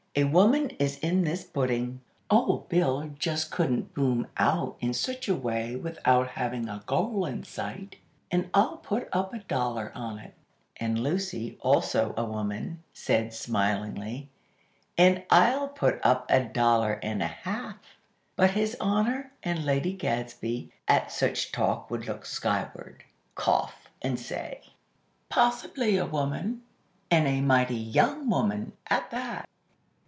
A woman is in this pudding! Old Bill just couldn't boom out in such a way without having a goal in sight; and I'll put up a dollar on it." And Lucy, also a woman, said smilingly: "And I'll put up a dollar and a half!" But His Honor and Lady Gadsby, at such talk would look skyward, cough, and say: "Possibly a woman; and a mighty young woman, at that."